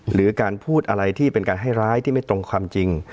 หรือการพูดอะไรที่เป็นการให้ร้ายที่ไม่ตรงความจริง